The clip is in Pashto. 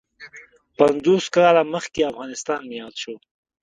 پنځوس کاله مخکې افغانستان مې یاد شو.